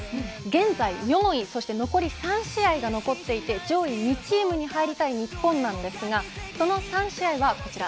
現在４位残り３試合が残っていて上位２チームに入りたい日本なんですがその３試合はこちら